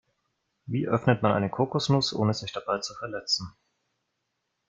Wie öffnet man eine Kokosnuss, ohne sich dabei zu verletzen?